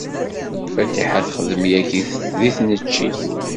Fatiḥa texdem yagi deg tneccit.